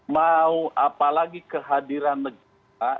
mau apalagi kehadiran negara